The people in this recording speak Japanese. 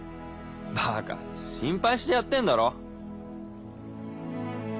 バカ心配してやってんだろ。